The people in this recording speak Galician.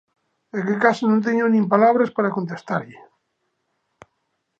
É que case non teño nin palabras para contestarlle.